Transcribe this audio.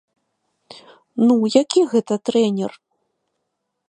Ну, які гэта трэнер?